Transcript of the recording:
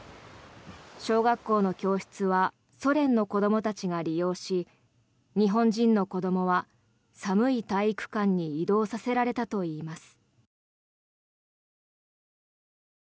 小学校の教室はソ連の子どもたちが利用し日本人の子どもは寒い体育館に移動させられたといいます。